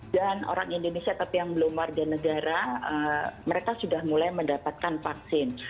dan orang indonesia tapi yang belum warga negara mereka sudah mulai mendapatkan vaksin